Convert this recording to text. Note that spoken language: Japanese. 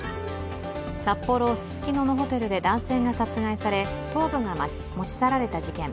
札幌・ススキノのホテルで男性が殺害され頭部が持ち去られた事件。